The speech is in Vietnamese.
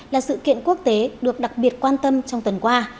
là sự kiện quốc tế được đặc biệt quan tâm trong tuần qua